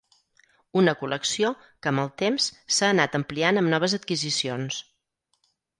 Una col·lecció que, amb el temps, s'ha anat ampliant amb noves adquisicions.